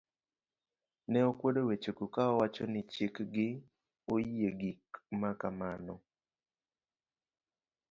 ne okwedo wechego ka owacho ni chik gi oyie gik ma kamano